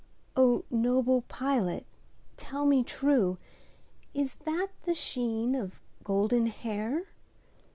O noble pilot tell me trueIs that the sheen of golden hair?